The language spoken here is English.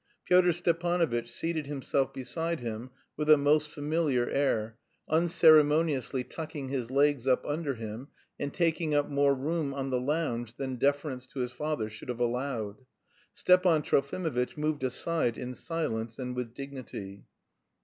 Pyotr Stepanovitch seated himself beside him with a most familiar air, unceremoniously tucking his legs up under him, and taking up more room on the lounge than deference to his father should have allowed. Stepan Trofimovitch moved aside, in silence, and with dignity.